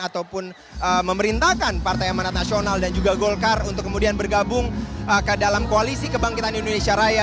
ataupun memerintahkan partai amanat nasional dan juga golkar untuk kemudian bergabung ke dalam koalisi kebangkitan indonesia raya